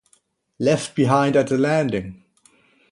Left behind at the landing!